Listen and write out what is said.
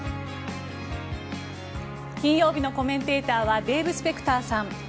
金曜日のコメンテーターはデーブ・スペクターさん。